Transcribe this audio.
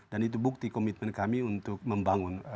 dan itu bukti komitmen kami untuk membangun